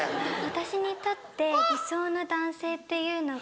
私にとって理想の男性っていうのが。